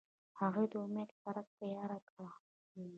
هغوی د امید څرک تیاره کړ.